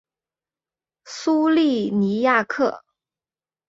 苏利尼亚克。